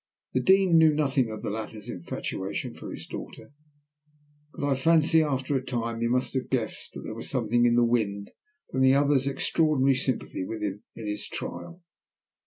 The Dean knew nothing of the latter's infatuation for his daughter, but I fancy, after a time, he must have guessed that there was something in the wind from the other's extraordinary sympathy with him in his trial.